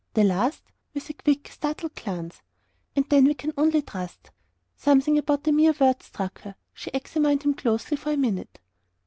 "The last?" with a quick, startled glance. "And then we can only trust." Something more than the MERE words struck her. She examined him closely for a minute.